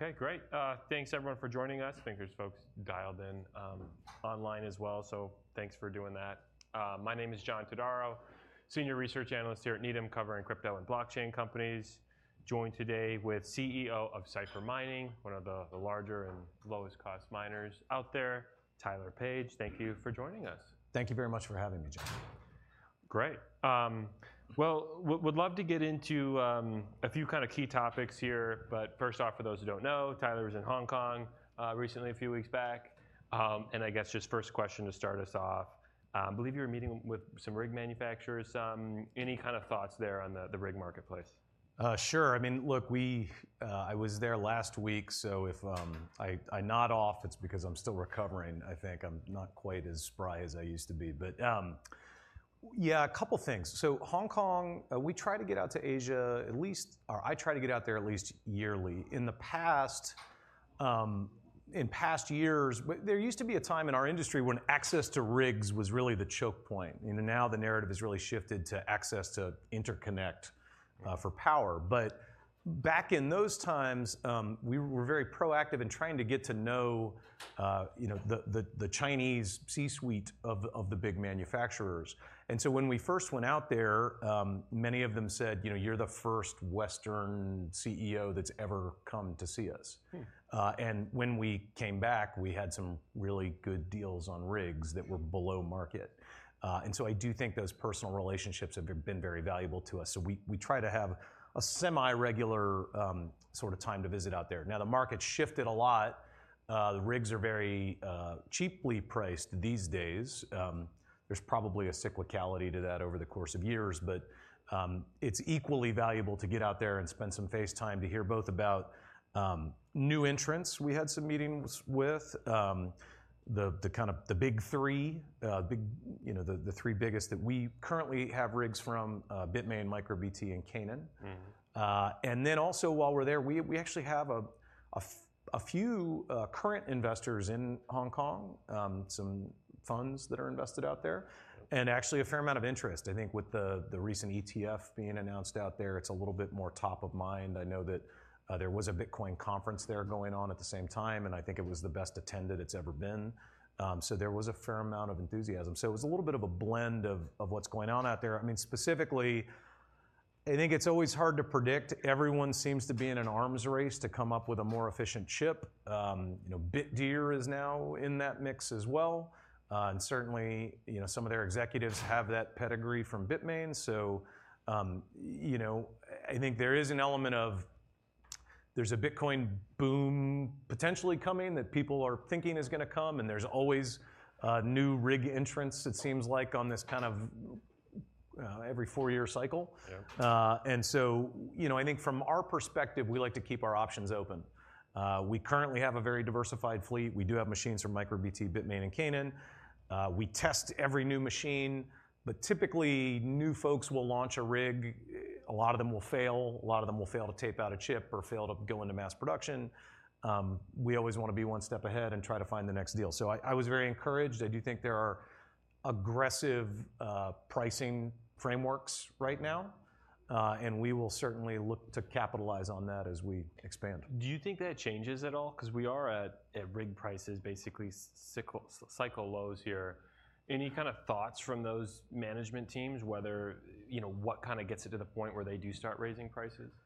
Cool. Okay, great. Thanks everyone for joining us. I think there's folks dialed in, online as well, so thanks for doing that. My name is John Todaro, Senior Research Analyst here at Needham, covering crypto and blockchain companies. Joined today with CEO of Cipher Mining, one of the, the larger and lowest cost miners out there, Tyler Page. Thank you for joining us. Thank you very much for having me, John. Great. Well, would love to get into a few kind of key topics here, but first off, for those who don't know, Tyler was in Hong Kong recently, a few weeks back. And I guess just first question to start us off, I believe you were meeting with some rig manufacturers. Any kind of thoughts there on the rig marketplace? Sure. I mean, look, we... I was there last week, so if, I, I nod off, it's because I'm still recovering. I think I'm not quite as spry as I used to be. But, yeah, a couple things. So Hong Kong, we try to get out to Asia at least, or I try to get out there at least yearly. In the past, in past years, there used to be a time in our industry when access to rigs was really the choke point, and now the narrative has really shifted to access to interconnect-for power. But back in those times, we were very proactive in trying to get to know, you know, the Chinese C-suite of the big manufacturers. And so when we first went out there, many of them said, "You know, you're the first Western CEO that's ever come to see us. Hmm. And when we came back, we had some really good deals on rigs that were below market. And so I do think those personal relationships have been very valuable to us. So we try to have a semi-regular sort of time to visit out there. Now, the market's shifted a lot. The rigs are very cheaply priced these days. There's probably a cyclicality to that over the course of years, but it's equally valuable to get out there and spend some face time to hear both about new entrants we had some meetings with. The big three, you know, the three biggest that we currently have rigs from, Bitmain, MicroBT, and Canaan. Mm-hmm. And then also while we're there, we actually have a few current investors in Hong Kong, some funds that are invested out there, and actually a fair amount of interest. I think with the recent ETF being announced out there, it's a little bit more top of mind. I know that there was a Bitcoin conference there going on at the same time, and I think it was the best attended it's ever been. So there was a fair amount of enthusiasm. So it was a little bit of a blend of what's going on out there. I mean, specifically, I think it's always hard to predict. Everyone seems to be in an arms race to come up with a more efficient chip. You know, Bitdeer is now in that mix as well. Certainly, you know, some of their executives have that pedigree from Bitmain. So, you know, I think there is an element of there's a Bitcoin boom potentially coming that people are thinking is gonna come, and there's always new rig entrants, it seems like, on this kind of every four-year cycle. Yeah. And so, you know, I think from our perspective, we like to keep our options open. We currently have a very diversified fleet. We do have machines from MicroBT, Bitmain, and Canaan. We test every new machine, but typically, new folks will launch a rig, a lot of them will fail, a lot of them will fail to tape out a chip or fail to go into mass production. We always wanna be one step ahead and try to find the next deal. So I, I was very encouraged. I do think there are aggressive pricing frameworks right now, and we will certainly look to capitalize on that as we expand. Do you think that changes at all? 'Cause we are at rig prices, basically, cycle lows here. Any kind of thoughts from those management teams whether... You know, what kind of gets it to the point where they do start raising prices?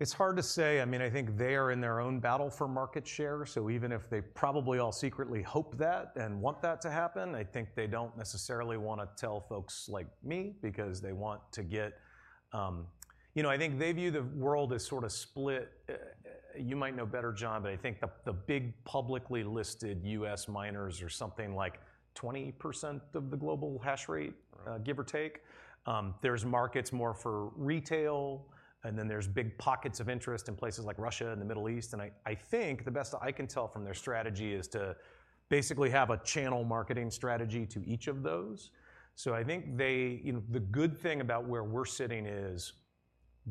It's hard to say. I mean, I think they are in their own battle for market share, so even if they probably all secretly hope that and want that to happen, I think they don't necessarily wanna tell folks like me because they want to get... You know, I think they view the world as sort of split. You might know better, John, but I think the big publicly listed U.S. miners are something like 20% of the global hash rate-give or take. There's markets more for retail, and then there's big pockets of interest in places like Russia and the Middle East. And I think, the best I can tell from their strategy, is to basically have a channel marketing strategy to each of those. So I think they, you know, the good thing about where we're sitting is,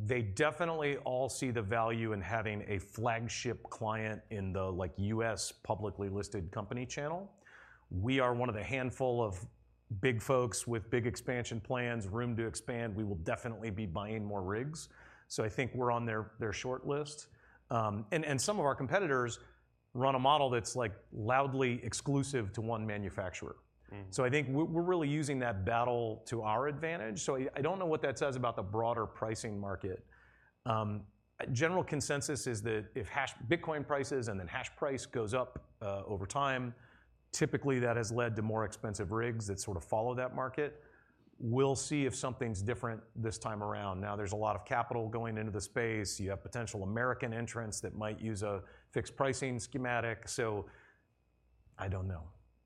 they definitely all see the value in having a flagship client in the, like, U.S. publicly listed company channel. We are one of the handful of big folks with big expansion plans, room to expand. We will definitely be buying more rigs, so I think we're on their, their shortlist. And some of our competitors run a model that's, like, loudly exclusive to one manufacturer. Hmm. So I think we're really using that battle to our advantage. So I don't know what that says about the broader pricing market. General consensus is that if hash prices and Bitcoin prices and then hash price goes up, over time, typically, that has led to more expensive rigs that sort of follow that market. We'll see if something's different this time around. Now, there's a lot of capital going into the space. You have potential American entrants that might use a fixed pricing schematic, so I don't know.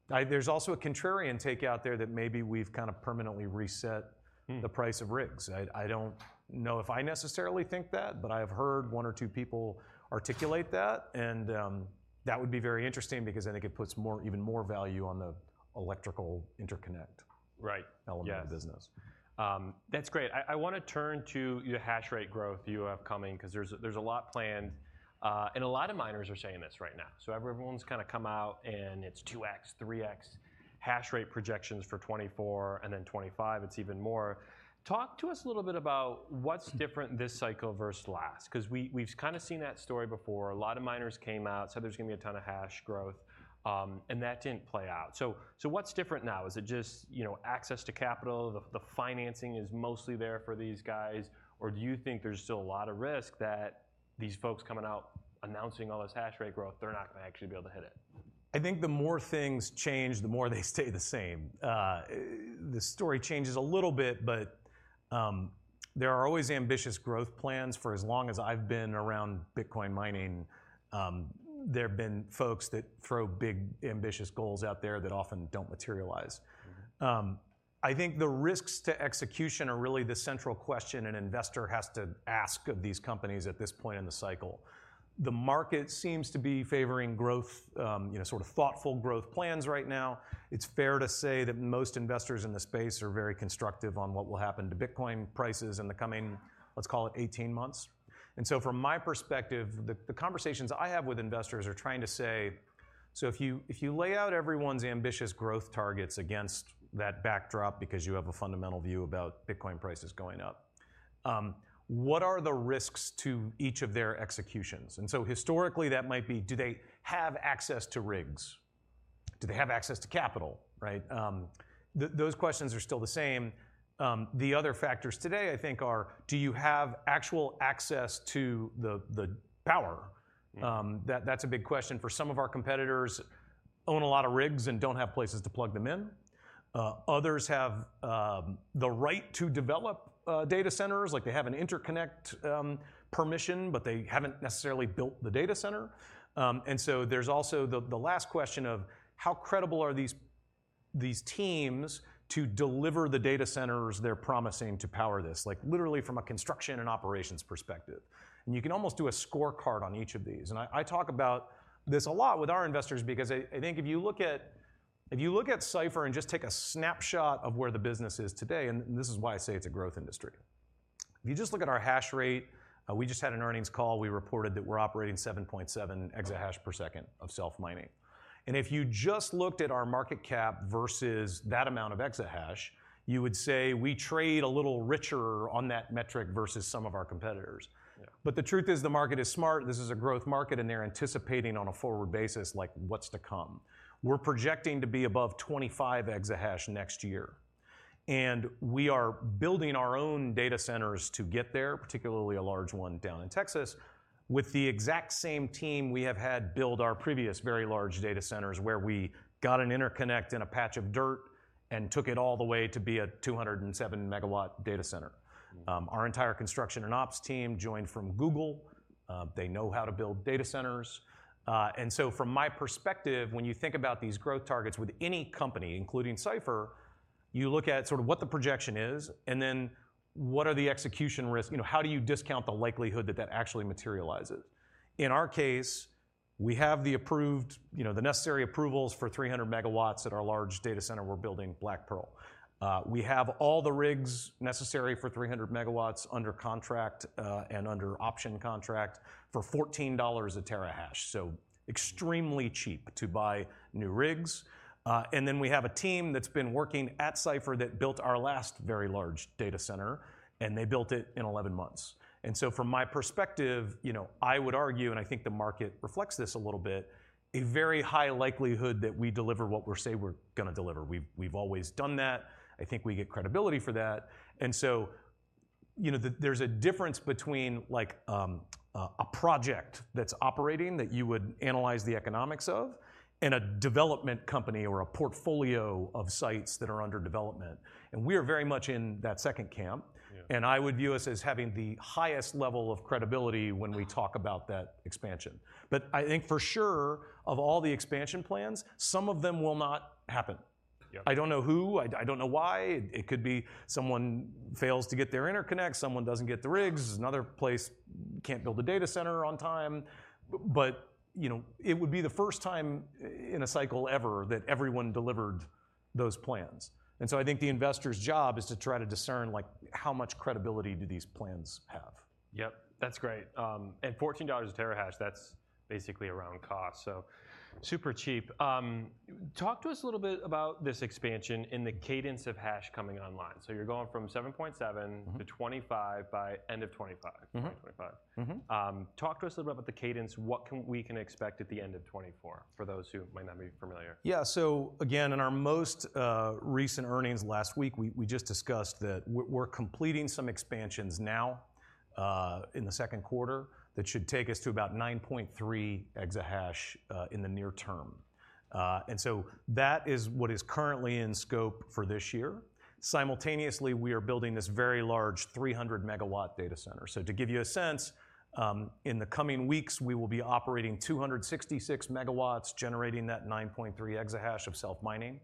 There's also a contrarian take out there that maybe we've kind of permanently reset-the price of rigs. I, I don't know if I necessarily think that, but I have heard one or two people articulate that. That would be very interesting because I think it puts more, even more value on the electrical interconnect-element of the business. Right, yes That's great. I wanna turn to your hash rate growth you have coming, 'cause there's, there's a lot planned, and a lot of miners are saying this right now. So everyone's kind of come out, and it's 2x, 3x hash rate projections for 2024, and then 2025, it's even more. Talk to us a little bit about what's different this cycle versus last. 'Cause we, we've kind of seen that story before. A lot of miners came out, said there's gonna be a ton of hash growth, and that didn't play out. So, so what's different now? Is it just, you know, access to capital, the, the financing is mostly there for these guys, or do you think there's still a lot of risk that these folks coming out, announcing all this hash rate growth, they're not gonna actually be able to hit it? I think the more things change, the more they stay the same. The story changes a little bit, but there are always ambitious growth plans. For as long as I've been around Bitcoin mining, there have been folks that throw big, ambitious goals out there that often don't materialize. Mm-hmm. I think the risks to execution are really the central question an investor has to ask of these companies at this point in the cycle. The market seems to be favoring growth, you know, sort of thoughtful growth plans right now. It's fair to say that most investors in the space are very constructive on what will happen to Bitcoin prices in the coming, let's call it 18 months. And so from my perspective, the, the conversations I have with investors are trying to say: So if you, if you lay out everyone's ambitious growth targets against that backdrop because you have a fundamental view about Bitcoin prices going up, what are the risks to each of their executions? And so historically, that might be, do they have access to rigs? Do they have access to capital, right? Those questions are still the same. The other factors today, I think, are, do you have actual access to the power? Mm. That's a big question for some of our competitors own a lot of rigs and don't have places to plug them in. Others have the right to develop data centers, like they have an interconnect permission, but they haven't necessarily built the data center. And so there's also the last question of how credible are these teams to deliver the data centers they're promising to power this? Like, literally from a construction and operations perspective. And you can almost do a scorecard on each of these. And I, I talk about this a lot with our investors because I, I think if you look at Cipher and just take a snapshot of where the business is today, and this is why I say it's a growth industry. If you just look at our hash rate, we just had an earnings call. We reported that we're operating 7.7 exahash per second of self mining. And if you just looked at our market cap versus that amount of exahash, you would say we trade a little richer on that metric versus some of our competitors. Yeah. But the truth is, the market is smart, this is a growth market, and they're anticipating on a forward basis, like what's to come. We're projecting to be above 25 exahash next year, and we are building our own data centers to get there, particularly a large one down in Texas, with the exact same team we have had build our previous very large data centers, where we got an interconnect and a patch of dirt and took it all the way to be a 207 MW data center. Mm. Our entire construction and ops team joined from Google. They know how to build data centers. And so from my perspective, when you think about these growth targets with any company, including Cipher, you look at sort of what the projection is, and then what are the execution risk? You know, how do you discount the likelihood that that actually materializes? In our case, we have the approved, you know, the necessary approvals for 300 MW at our large data center we're building, Black Pearl. We have all the rigs necessary for 300 MW under contract, and under option contract for $14 a terahash. So extremely cheap to buy new rigs. And then we have a team that's been working at Cipher that built our last very large data center, and they built it in 11 months. And so from my perspective, you know, I would argue, and I think the market reflects this a little bit, a very high likelihood that we deliver what we say we're gonna deliver. We've always done that. I think we get credibility for that. And so, you know, there's a difference between, like, a project that's operating, that you would analyze the economics of, and a development company or a portfolio of sites that are under development, and we are very much in that second camp. Yeah. I would view us as having the highest level of credibility when we talk about that expansion. I think for sure, of all the expansion plans, some of them will not happen. Yep. I don't know who, I don't know why. It could be someone fails to get their interconnect, someone doesn't get the rigs, another place can't build a data center on time. But, you know, it would be the first time in a cycle ever that everyone delivered those plans. And so I think the investor's job is to try to discern, like, how much credibility do these plans have? Yep, that's great. And $14 a terahash, that's basically around cost, so super cheap. Talk to us a little bit about this expansion and the cadence of hash coming online. So you're going from 7.7-to 25 by end of 2025. Mm-hmm. Talk to us a little bit about the cadence. What can we expect at the end of 2024, for those who might not be familiar? Yeah. So again, in our most recent earnings last week, we just discussed that we're completing some expansions now in the second quarter, that should take us to about 9.3 exahash in the near term. And so that is what is currently in scope for this year. Simultaneously, we are building this very large 300 MW data center. So to give you a sense, in the coming weeks, we will be operating 266 MW, generating that 9.3 exahash of self mining.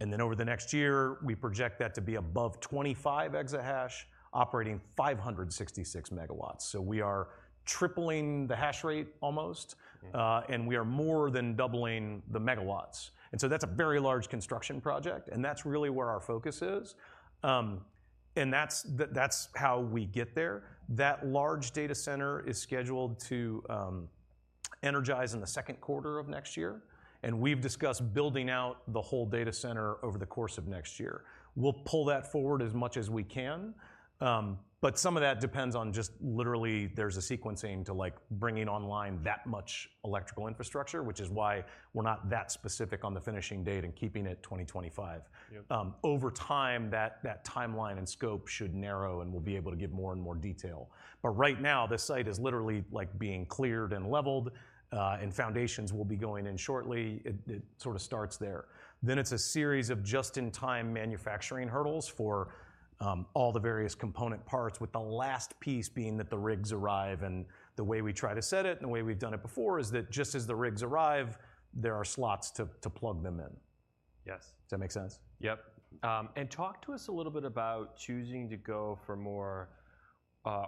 And then over the next year, we project that to be above 25 exahash, operating 566 MW. So we are tripling the hash rate almost-and we are more than doubling the megawatts. And so that's a very large construction project, and that's really where our focus is. And that's how we get there. That large data center is scheduled to energize in the second quarter of next year, and we've discussed building out the whole data center over the course of next year. We'll pull that forward as much as we can, but some of that depends on just literally there's a sequencing to, like, bringing online that much electrical infrastructure, which is why we're not that specific on the finishing date and keeping it 2025. Yep. Over time, that timeline and scope should narrow, and we'll be able to give more and more detail. But right now, this site is literally, like, being cleared and leveled, and foundations will be going in shortly. It sort of starts there. Then it's a series of just-in-time manufacturing hurdles for all the various component parts, with the last piece being that the rigs arrive. And the way we try to set it, and the way we've done it before, is that just as the rigs arrive, there are slots to plug them in. Yes. Does that make sense? Yep. And talk to us a little bit about choosing to go for more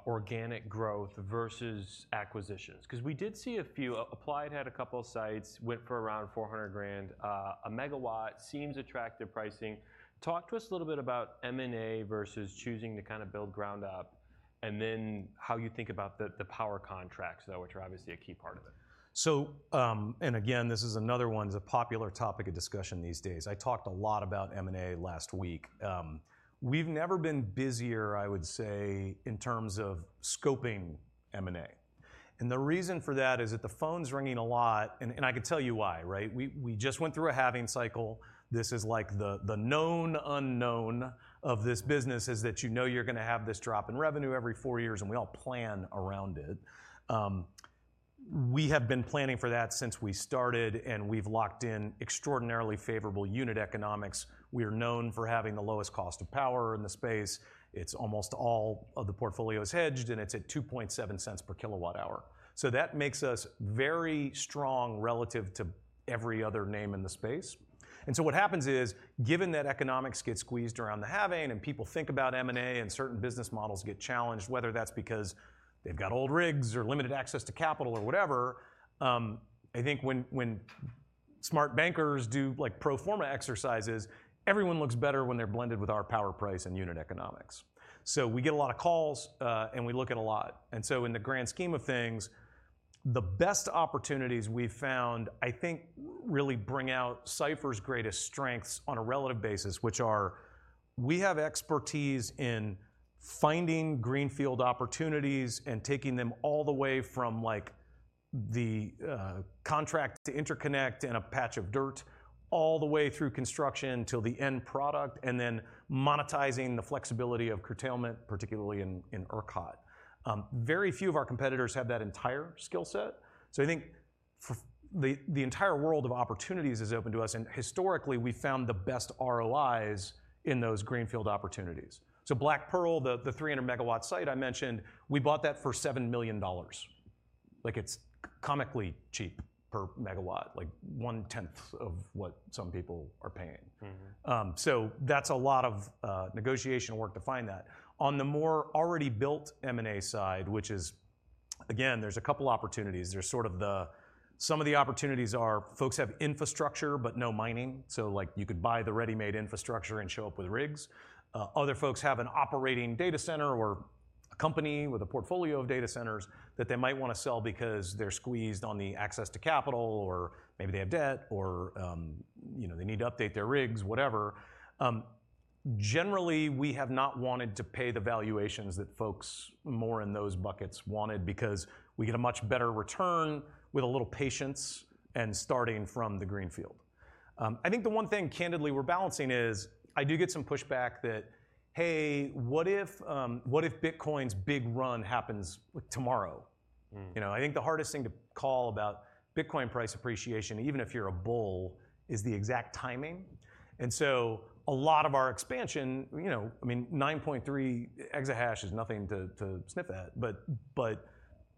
organic growth versus acquisitions. 'Cause we did see a few. Applied had a couple of sites, went for around $400,000 a megawatt seems attractive pricing. Talk to us a little bit about M&A versus choosing to kind of build ground up, and then how you think about the power contracts, though, which are obviously a key part of it. Again, this is another one that's a popular topic of discussion these days. I talked a lot about M&A last week. We've never been busier, I would say, in terms of scoping M&A, and the reason for that is that the phone's ringing a lot, and I can tell you why, right? We just went through a halving cycle. This is like the known unknown of this business, is that you know you're gonna have this drop in revenue every four years, and we all plan around it. We have been planning for that since we started, and we've locked in extraordinarily favorable unit economics. We are known for having the lowest cost of power in the space. It's almost all of the portfolio is hedged, and it's at $0.027 per kWh, so that makes us very strong relative to every other name in the space. And so what happens is, given that economics get squeezed around the halving, and people think about M&A, and certain business models get challenged, whether that's because they've got old rigs or limited access to capital or whatever, I think when smart bankers do, like, pro forma exercises, everyone looks better when they're blended with our power price and unit economics. So we get a lot of calls, and we look at a lot. In the grand scheme of things, the best opportunities we've found, I think, really bring out Cipher's greatest strengths on a relative basis, which are, we have expertise in finding greenfield opportunities and taking them all the way from, like, the contract to interconnect and a patch of dirt, all the way through construction till the end product, and then monetizing the flexibility of curtailment, particularly in ERCOT. Very few of our competitors have that entire skill set, so I think the entire world of opportunities is open to us, and historically, we've found the best ROIs in those greenfield opportunities. So Black Pearl, the 300 MW site I mentioned, we bought that for $7 million. Like, it's comically cheap per MW, like, one-tenth of what some people are paying. Mm-hmm. So that's a lot of negotiation work to find that. On the more already built M&A side, which is... Again, there's a couple opportunities. There's sort of the-- Some of the opportunities are folks have infrastructure, but no mining, so, like, you could buy the ready-made infrastructure and show up with rigs. Other folks have an operating data center or a company with a portfolio of data centers that they might wanna sell because they're squeezed on the access to capital, or maybe they have debt or, you know, they need to update their rigs, whatever. Generally, we have not wanted to pay the valuations that folks more in those buckets wanted because we get a much better return with a little patience and starting from the greenfield. I think the one thing, candidly, we're balancing is, I do get some pushback that, "Hey, what if Bitcoin's big run happens, like, tomorrow? Mm. You know, I think the hardest thing to call about Bitcoin price appreciation, even if you're a bull, is the exact timing. And so a lot of our expansion, you know, I mean, 9.3 exahash is nothing to sniff at, but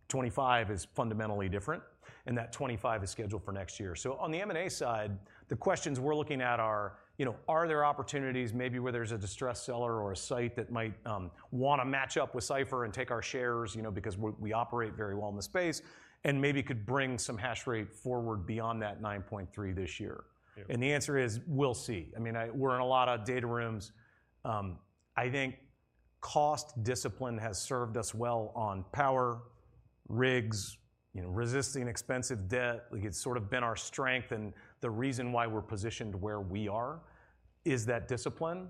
25 is fundamentally different, and that 2025 is scheduled for next year. So on the M&A side, the questions we're looking at are, you know, are there opportunities maybe where there's a distressed seller or a site that might wanna match up with Cipher and take our shares, you know, because we're, we operate very well in the space, and maybe could bring some hash rate forward beyond that 9.3 this year? Yeah. The answer is: we'll see. I mean, we're in a lot of data rooms. I think cost discipline has served us well on power, rigs, you know, resisting expensive debt. Like, it's sort of been our strength, and the reason why we're positioned where we are is that discipline.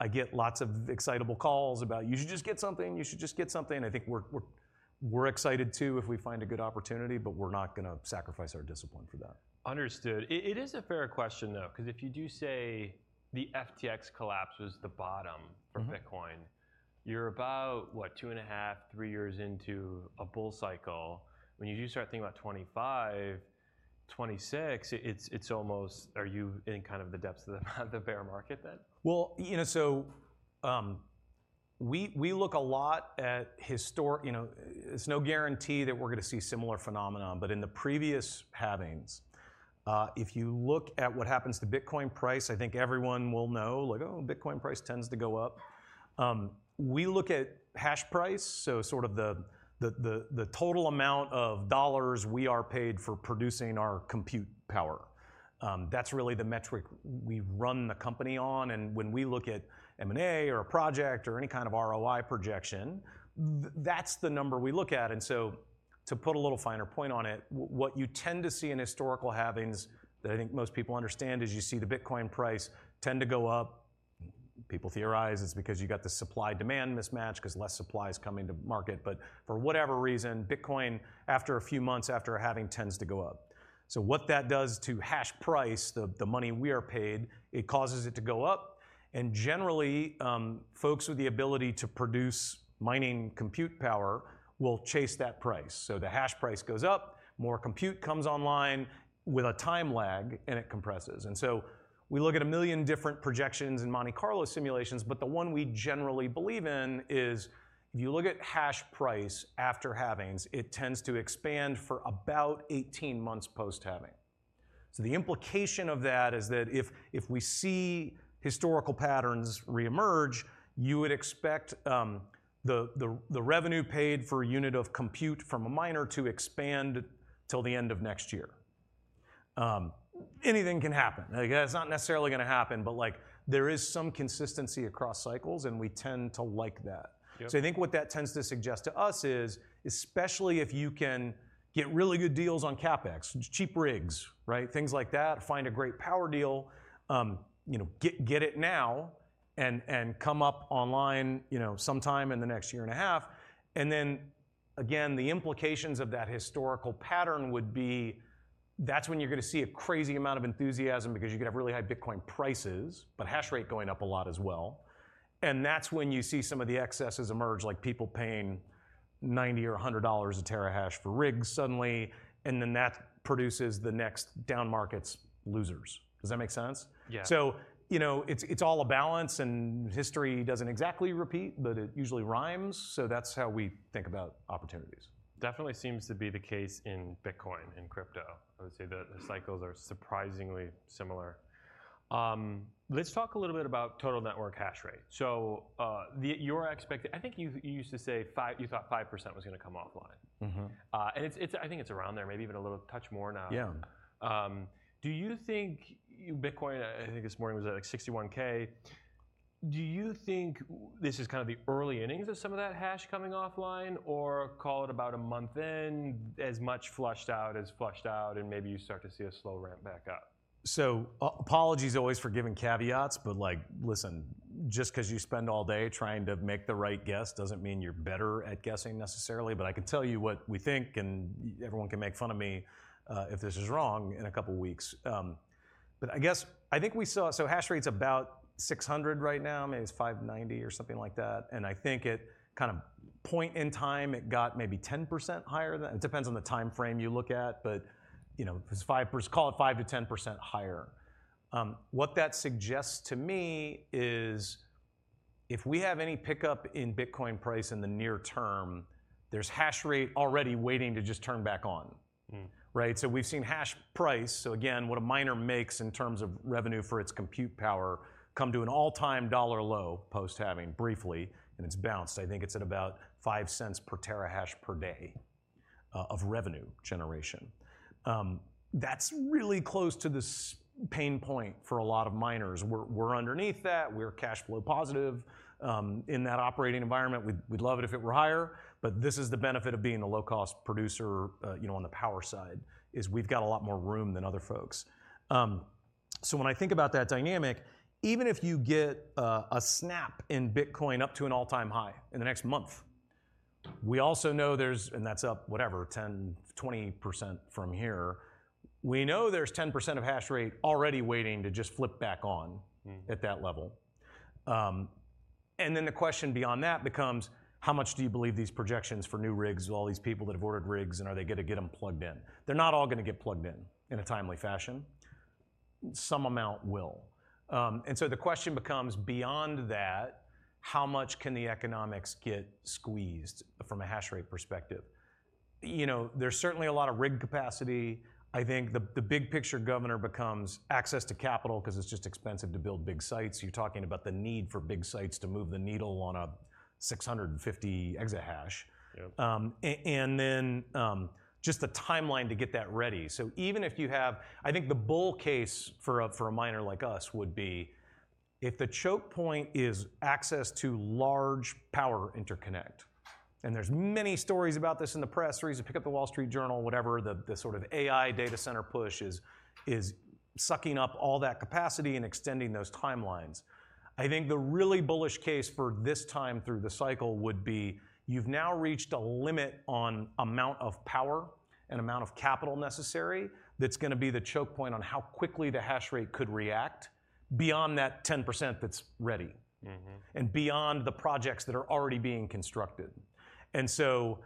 I get lots of excitable calls about, "You should just get something. You should just get something." I think we're excited, too, if we find a good opportunity, but we're not gonna sacrifice our discipline for that. Understood. It is a fair question, though, 'cause if you do say the FTX collapse was the bottom-for Bitcoin, you're about, what? Two and a halfA three years into a bull cycle. When you do start thinking about 2025, 2026, it's almost - are you in kind of the depths of the bear market, then? Well, you know, so, we look a lot at historical. You know, it's no guarantee that we're gonna see similar phenomenon, but in the previous halvings, if you look at what happens to Bitcoin price, I think everyone will know, like, "Oh, Bitcoin price tends to go up." We look at hash price, so sort of the total amount of dollars we are paid for producing our compute power. That's really the metric we run the company on, and when we look at M&A or a project or any kind of ROI projection, that's the number we look at. And so to put a little finer point on it, what you tend to see in historical halvings, that I think most people understand, is you see the Bitcoin price tend to go up. People theorize it's because you got this supply-demand mismatch, 'cause less supply is coming to market. But for whatever reason, Bitcoin, after a few months after a halving, tends to go up. So what that does to hash price, the, the money we are paid, it causes it to go up, and generally, folks with the ability to produce mining compute power will chase that price. So the hash price goes up, more compute comes online with a time lag, and it compresses. And so we look at a million different projections and Monte Carlo simulations, but the one we generally believe in is, if you look at hash price after halvings, it tends to expand for about 18 months post-halving. So the implication of that is that if we see historical patterns re-emerge, you would expect the revenue paid for a unit of compute from a miner to expand till the end of next year. Anything can happen. Like, that's not necessarily gonna happen, but, like, there is some consistency across cycles, and we tend to like that. Yep. So I think what that tends to suggest to us is, especially if you can get really good deals on CapEx, cheap rigs, right? Things like that, find a great power deal, you know, get it now, and come up online, you know, sometime in the next year and a half. And then, again, the implications of that historical pattern would be, that's when you're gonna see a crazy amount of enthusiasm because you could have really high Bitcoin prices, but hash rate going up a lot as well. And that's when you see some of the excesses emerge, like people paying $90 or $100 a terahash for rigs suddenly, and then that produces the next down market's losers. Does that make sense? Yeah. You know, it's all a balance, and history doesn't exactly repeat, but it usually rhymes, so that's how we think about opportunities. Definitely seems to be the case in Bitcoin and crypto. I would say the cycles are surprisingly similar. Let's talk a little bit about total network hash rate. So, I think you used to say five-- you thought 5% was gonna come offline and it's, I think it's around there, maybe even a little touch more now. Yeah. Do you think... Bitcoin, I think this morning was at, like, $61K. Do you think this is kind of the early innings of some of that hash coming offline, or call it about a month in, as much flushed out as flushed out, and maybe you start to see a slow ramp back up? So, apologies always for giving caveats, but, like, listen, just 'cause you spend all day trying to make the right guess, doesn't mean you're better at guessing necessarily. But I can tell you what we think, and everyone can make fun of me if this is wrong, in a couple weeks. But I guess, I think we saw—so hash rate's about 600 right now, maybe it's 590 or something like that, and I think it kind of, point in time, it got maybe 10% higher than that. It depends on the timeframe you look at, but, you know, it's five pers—call it 5%-10% higher. What that suggests to me is, if we have any pickup in Bitcoin price in the near term, there's hash rate already waiting to just turn back on. Mm. Right? So we've seen hash price, so again, what a miner makes in terms of revenue for its compute power, come to an all-time dollar low post-halving briefly, and it's bounced. I think it's at about $0.05 per terahash per day of revenue generation. That's really close to the pain point for a lot of miners. We're underneath that. We're cash flow positive in that operating environment. We'd love it if it were higher, but this is the benefit of being a low-cost producer, you know, on the power side, is we've got a lot more room than other folks. So when I think about that dynamic, even if you get a snap in Bitcoin up to an all-time high in the next month, we also know there's and that's up, whatever, 10%-20% from here. We know there's 10% of hash rate already waiting to just flip back on- Mm. At that level. And then the question beyond that becomes: How much do you believe these projections for new rigs, all these people that have ordered rigs, and are they gonna get them plugged in? They're not all gonna get plugged in in a timely fashion. Some amount will. And so the question becomes, beyond that, how much can the economics get squeezed from a hash rate perspective? You know, there's certainly a lot of rig capacity. I think the big picture governor becomes access to capital 'cause it's just expensive to build big sites. You're talking about the need for big sites to move the needle on a 650 exahash. Yep. And then, just the timeline to get that ready. So even if you have—I think the bull case for a miner like us would be, if the choke point is access to large power interconnect, and there's many stories about this in the press, the reason—pick up The Wall Street Journal, whatever, the sort of AI data center push is sucking up all that capacity and extending those timelines. I think the really bullish case for this time through the cycle would be, you've now reached a limit on amount of power and amount of capital necessary that's gonna be the choke point on how quickly the hash rate could react beyond that 10% that's ready. Mm-hmm. Beyond the projects that are already being constructed. So,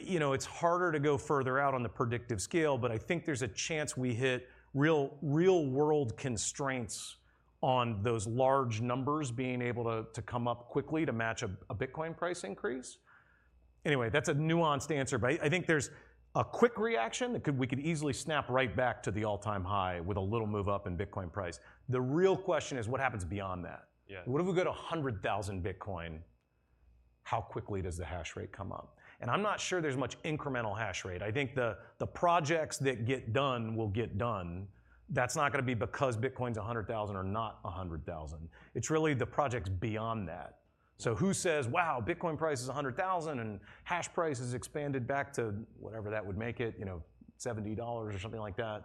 you know, it's harder to go further out on the predictive scale, but I think there's a chance we hit real, real-world constraints on those large numbers being able to come up quickly to match a Bitcoin price increase. Anyway, that's a nuanced answer, but I think there's a quick reaction that could, we could easily snap right back to the all-time high with a little move up in Bitcoin price. The real question is, what happens beyond that? Yeah. What if we go to 100,000 Bitcoin? How quickly does the hash rate come up? And I'm not sure there's much incremental hash rate. I think the, the projects that get done will get done. That's not gonna be because Bitcoin's 100,000 or not 100,000. It's really the projects beyond that. So who says, "Wow, Bitcoin price is 100,000, and hash price has expanded back to," whatever that would make it, you know, $70 or something like that,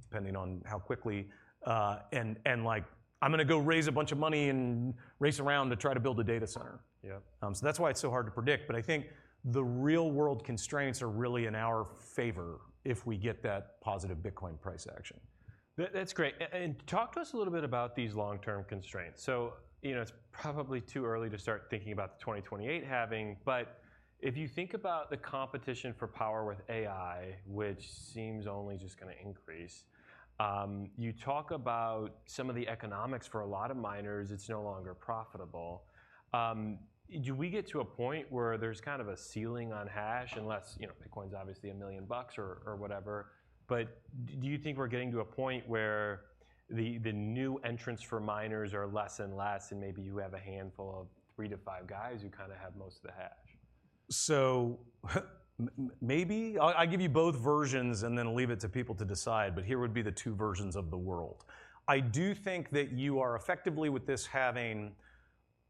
depending on how quickly, and like, "I'm gonna go raise a bunch of money and race around to try to build a data center? Yep. So that's why it's so hard to predict, but I think the real-world constraints are really in our favor if we get that positive Bitcoin price action. That's great. And talk to us a little bit about these long-term constraints. So, you know, it's probably too early to start thinking about the 2028 halving, but if you think about the competition for power with AI, which seems only just gonna increase. You talk about some of the economics. For a lot of miners, it's no longer profitable. Do we get to a point where there's kind of a ceiling on hash, unless, you know, Bitcoin's obviously $1 million or, or whatever, but do you think we're getting to a point where the, the new entrants for miners are less and less, and maybe you have a handful of three to five guys who kind of have most of the hash? So, maybe. I'll give you both versions and then leave it to people to decide, but here would be the two versions of the world. I do think that you are effectively, with this,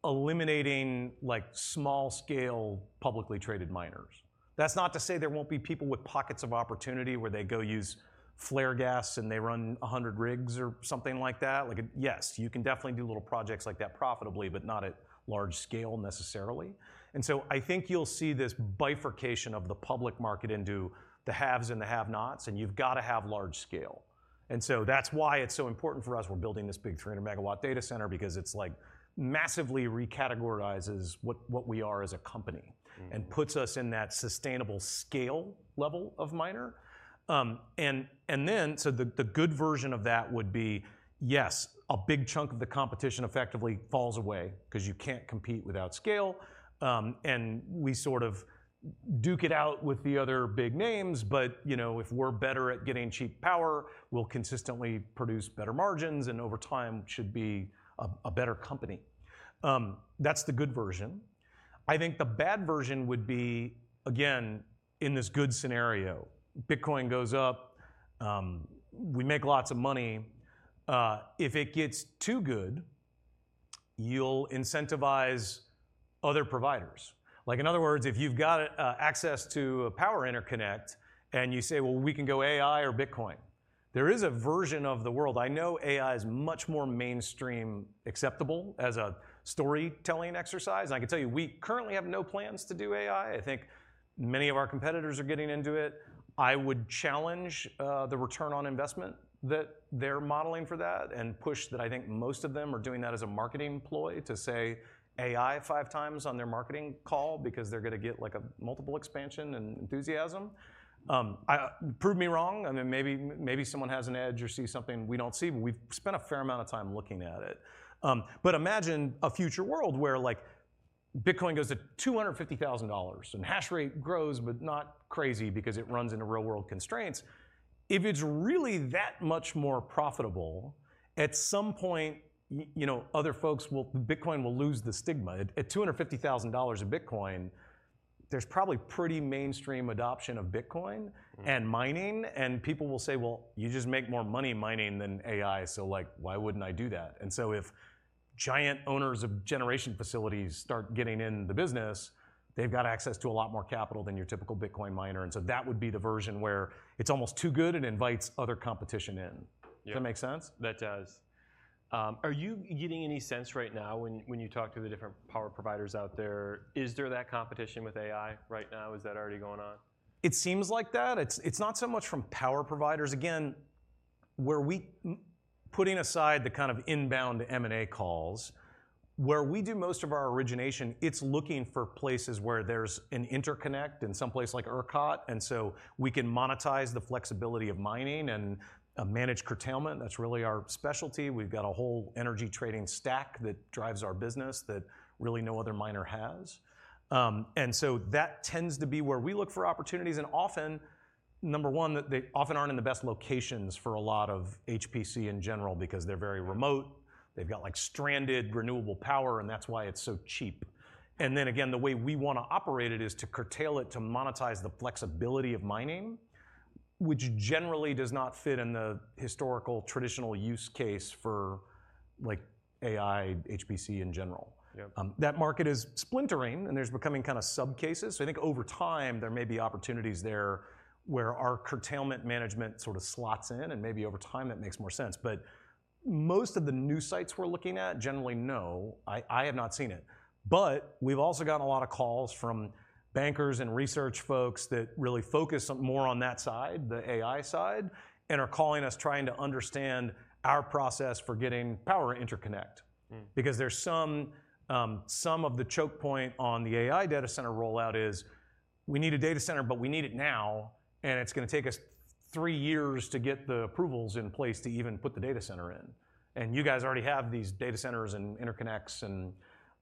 eliminating, like, small-scale, publicly traded miners. That's not to say there won't be people with pockets of opportunity, where they go use flare gas, and they run 100 rigs or something like that. Like, yes, you can definitely do little projects like that profitably, but not at large scale necessarily. And so I think you'll see this bifurcation of the public market into the haves and the have-nots, and you've gotta have large scale. And so that's why it's so important for us, we're building this big 300-megawatt data center because it's, like, massively recategorizes what we are as a company and puts us in that sustainable scale level of miner. And then, the good version of that would be, yes, a big chunk of the competition effectively falls away 'cause you can't compete without scale. And we sort of duke it out with the other big names, but, you know, if we're better at getting cheap power, we'll consistently produce better margins, and over time, should be a better company. That's the good version. I think the bad version would be, again, in this good scenario, Bitcoin goes up, we make lots of money. If it gets too good, you'll incentivize other providers. Like, in other words, if you've got access to a power interconnect, and you say, "Well, we can go AI or Bitcoin," there is a version of the world... I know AI is much more mainstream acceptable as a storytelling exercise, and I can tell you, we currently have no plans to do AI. I think many of our competitors are getting into it. I would challenge the return on investment that they're modeling for that, and push that I think most of them are doing that as a marketing ploy to say "AI" five times on their marketing call because they're gonna get, like, a multiple expansion and enthusiasm. Prove me wrong, I mean, maybe, maybe someone has an edge or sees something we don't see, but we've spent a fair amount of time looking at it. But imagine a future world where, like, Bitcoin goes to $250,000, and hash rate grows, but not crazy because it runs into real-world constraints. If it's really that much more profitable, at some point, you know, other folks will. Bitcoin will lose the stigma. At $250,000 a Bitcoin, there's probably pretty mainstream adoption of Bitcoin. Mm. And mining, and people will say, "Well, you just make more money mining than AI, so, like, why wouldn't I do that?" And so if giant owners of generation facilities start getting in the business, they've got access to a lot more capital than your typical Bitcoin miner, and so that would be the version where it's almost too good and invites other competition in. Yeah. Does that make sense? That does. Are you getting any sense right now when you talk to the different power providers out there, is there that competition with AI right now? Is that already going on? It seems like that. It's not so much from power providers. Again, putting aside the kind of inbound M and A calls, where we do most of our origination, it's looking for places where there's an interconnect in some place like ERCOT, and so we can monetize the flexibility of mining and manage curtailment. That's really our specialty. We've got a whole energy trading stack that drives our business that really no other miner has. And so that tends to be where we look for opportunities, and often, number one, that they often aren't in the best locations for a lot of HPC in general, because they're very remote. They've got, like, stranded renewable power, and that's why it's so cheap. And then again, the way we wanna operate it is to curtail it, to monetize the flexibility of mining, which generally does not fit in the historical, traditional use case for, like, AI, HPC in general. Yeah. That market is splintering, and there's becoming kind of sub-cases. So I think over time, there may be opportunities there, where our curtailment management sort of slots in, and maybe over time, that makes more sense. But most of the new sites we're looking at, generally, no, I have not seen it. But we've also gotten a lot of calls from bankers and research folks that really focus more on that side, the AI side, and are calling us, trying to understand our process for getting power interconnect. Mm. Because there's some of the choke point on the AI data center rollout is: We need a data center, but we need it now, and it's gonna take us three years to get the approvals in place to even put the data center in. And you guys already have these data centers and interconnects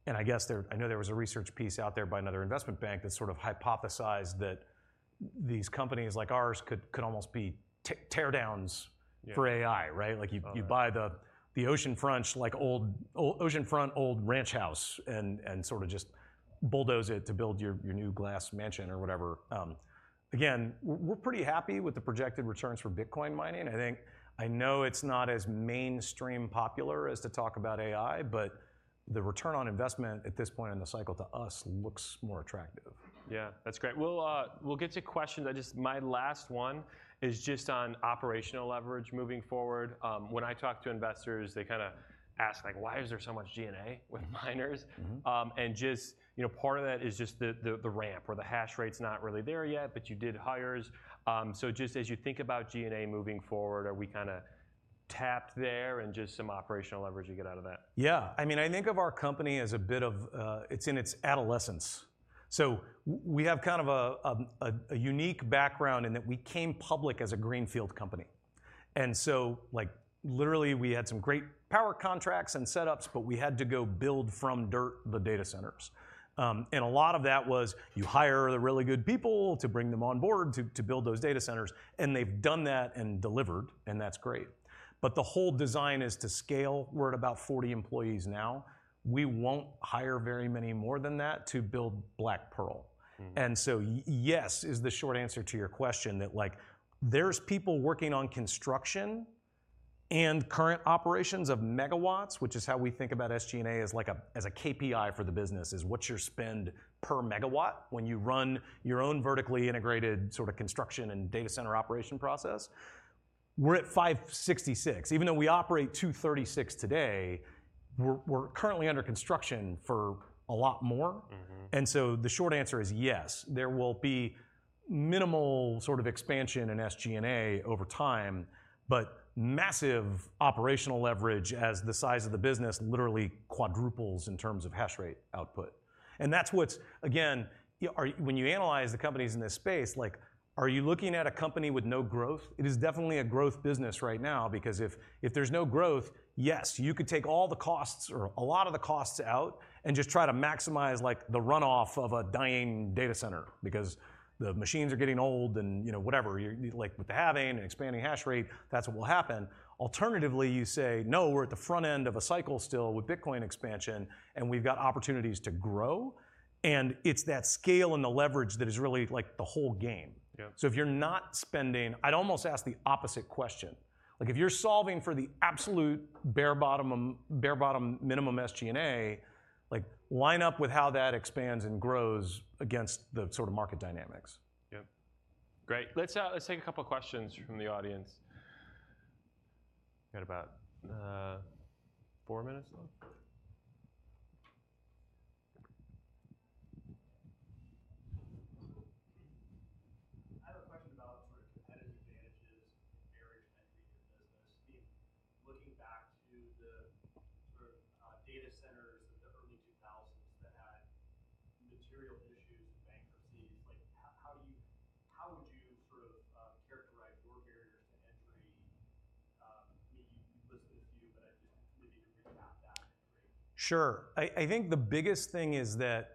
and I guess there—I know there was a research piece out there by another investment bank that sort of hypothesized that these companies like ours could almost be tear downs-for AI, right? Oh, yeah. Like, you buy the oceanfront, like, old oceanfront ranch house and sort of just bulldoze it to build your new glass mansion or whatever. Again, we're pretty happy with the projected returns for Bitcoin mining. I think, I know it's not as mainstream popular as to talk about AI, but the return on investment at this point in the cycle to us looks more attractive. Yeah, that's great. We'll, we'll get to questions. I just, my last one is just on operational leverage moving forward. When I talk to investors, they kinda ask, like: Why is there so much G&A with miners? Mm-hmm. And just, you know, part of that is just the ramp, or the hash rate's not really there yet, but you did hires. So just as you think about G&A moving forward, are we kinda tapped there and just some operational leverage you get out of that? Yeah. I mean, I think of our company as a bit of, it's in its adolescence. So we have kind of a unique background in that we came public as a greenfield company. And so, like, literally, we had some great power contracts and setups, but we had to go build from dirt, the data centers. And a lot of that was, you hire the really good people to bring them on board to build those data centers, and they've done that and delivered, and that's great. But the whole design is to scale. We're at about 40 employees now. We won't hire very many more than that to build Black Pearl. Mm. And so, yes is the short answer to your question, that, like, there's people working on construction and current operations of megawatts, which is how we think about SG&A as like a, as a KPI for the business, is what's your spend per megawatt when you run your own vertically integrated sort of construction and data center operation process? We're at 566. Even though we operate 236 today, we're currently under construction for a lot more. Mm-hmm. The short answer is yes, there will be minimal sort of expansion in SG&A over time, but massive operational leverage as the size of the business literally quadruples in terms of hash rate output. That's what's... Again, when you analyze the companies in this space, like, are you looking at a company with no growth? It is definitely a growth business right now because if there's no growth, yes, you could take all the costs or a lot of the costs out and just try to maximize, like, the runoff of a dying data center because the machines are getting old and, you know, whatever. You like, with the halving and expanding hash rate, that's what will happen. Alternatively, you say, "No, we're at the front end of a cycle still with Bitcoin expansion, and we've got opportunities to grow," and it's that scale and the leverage that is really, like, the whole game. Yeah. So if you're not spending, I'd almost ask the opposite question. Like, if you're solving for the absolute bare bottom, bare bottom minimum SG&A, like, line up with how that expands and grows against the sort of market dynamics. Yep. Great. Let's, let's take a couple questions from the audience. Got about four minutes left. I have a question about sort of competitive advantages and barriers to entry in your business. I mean, looking back to the sort of, data centers of the early 2000s that had material issues and bankruptcies, like, how do you—how would you sort of, characterize your barriers to entry? Maybe you've listed a few, but just maybe you could recap that entry. Sure. I think the biggest thing is that,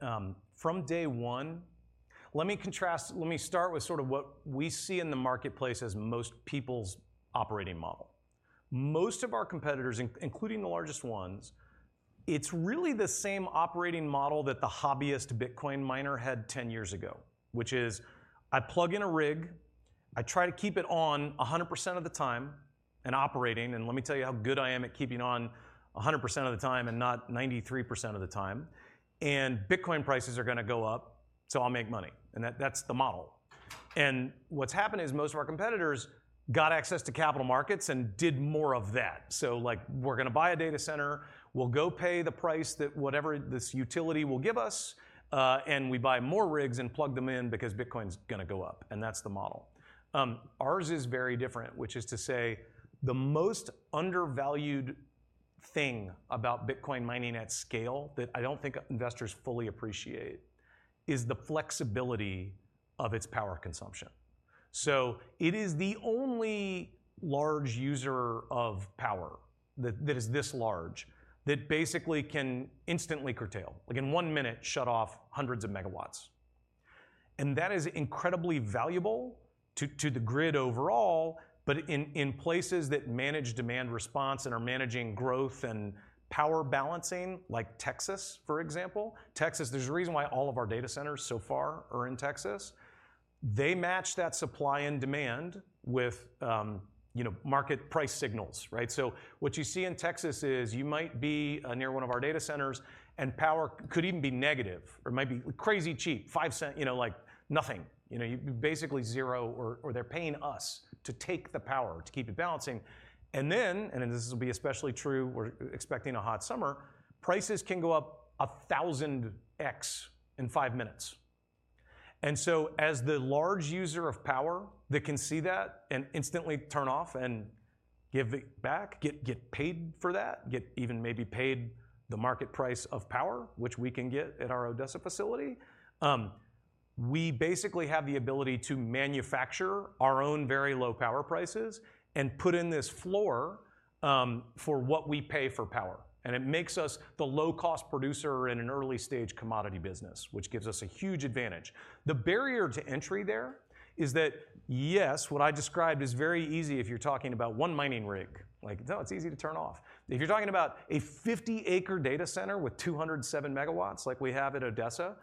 from day one. Let me start with sort of what we see in the marketplace as most people's operating model. Most of our competitors, including the largest ones, it's really the same operating model that the hobbyist Bitcoin miner had 10 years ago, which is, I plug in a rig, I try to keep it on 100% of the time and operating, and let me tell you how good I am at keeping on 100% of the time and not 93% of the time. And Bitcoin prices are gonna go up, so I'll make money, and that's the model. And what's happened is most of our competitors got access to capital markets and did more of that. So like, "We're gonna buy a data center. We'll go pay the price that whatever this utility will give us, and we buy more rigs and plug them in because Bitcoin's gonna go up," and that's the model. Ours is very different, which is to say, the most undervalued thing about Bitcoin mining at scale that I don't think investors fully appreciate, is the flexibility of its power consumption. So it is the only large user of power that, that is this large, that basically can instantly curtail, like in one minute, shut off hundreds of megawatts. And that is incredibly valuable to, to the grid overall, but in, in places that manage demand response and are managing growth and power balancing, like Texas, for example. Texas, there's a reason why all of our data centers so far are in Texas. They match that supply and demand with, you know, market price signals, right? So what you see in Texas is, you might be near one of our data centers, and power could even be negative or might be crazy cheap, $0.05, you know, like, nothing. You know, you basically zero or they're paying us to take the power to keep it balancing. And then, and this will be especially true, we're expecting a hot summer, prices can go up 1,000x in 5 minutes. And so as the large user of power that can see that and instantly turn off and give it back, get paid for that, get even maybe paid the market price of power, which we can get at our Odessa facility, we basically have the ability to manufacture our own very low power prices and put in this floor for what we pay for power. It makes us the low-cost producer in an early-stage commodity business, which gives us a huge advantage. The barrier to entry there is that, yes, what I described is very easy if you're talking about one mining rig. Like, no, it's easy to turn off. If you're talking about a 50-acre data center with 207 MW like we have at Odessa,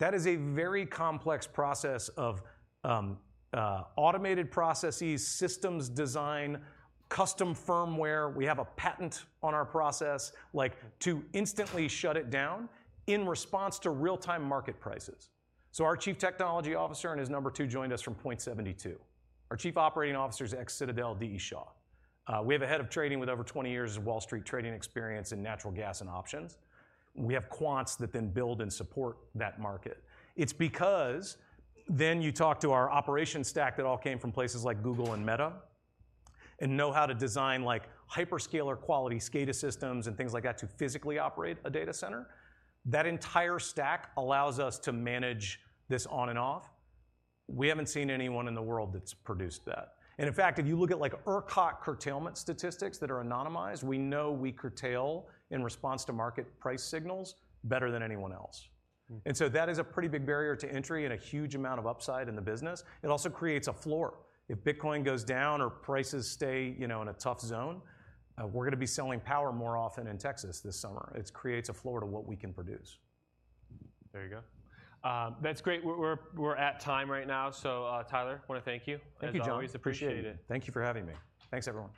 that is a very complex process of automated processes, systems design, custom firmware. We have a patent on our process, like, to instantly shut it down in response to real-time market prices. So our Chief Technology Officer and his number two joined us from Point72. Our Chief Operating Officer's ex-Citadel, D. E. Shaw. Uh, we have a head of trading with over 20 years of Wall Street trading experience in natural gas and options. We have quants that then build and support that market. It's because then you talk to our operations stack that all came from places like Google and Meta, and know how to design, like, hyperscaler quality SCADA systems and things like that, to physically operate a data center. That entire stack allows us to manage this on and off. We haven't seen anyone in the world that's produced that. And in fact, if you look at, like, ERCOT curtailment statistics that are anonymized, we know we curtail in response to market price signals better than anyone else. Mm. And so that is a pretty big barrier to entry and a huge amount of upside in the business. It also creates a floor. If Bitcoin goes down or prices stay, you know, in a tough zone, we're gonna be selling power more often in Texas this summer. It creates a floor to what we can produce. There you go. That's great. We're at time right now, so, Tyler, I wanna thank you- Thank you, John. As always, appreciate it. Thank you for having me. Thanks, everyone.